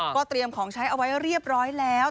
ก็เตรียมของใช้เอาไว้เรียบร้อยแล้ว